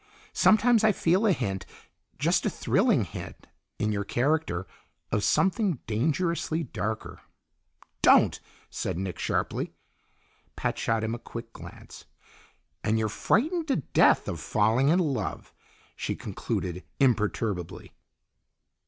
Sometimes I feel a hint, just a thrilling hint, in your character, of something dangerously darker " "Don't!" said Nick sharply. Pat shot him a quick glance. "And you're frightened to death of falling in love," she concluded imperturbably.